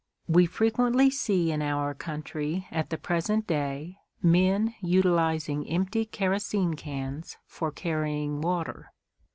We frequently see in our country at the present day men utilising empty kerosene cans for carrying water.